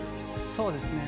そうですね。